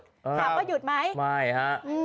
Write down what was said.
ถามว่าหยุดไหมไม่ฮะ